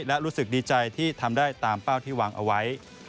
และรู้สึกดีใจที่ทำได้ตามเป้าที่วางเอาไว้